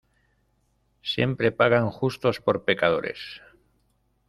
Siempre pagan justos por pecadores.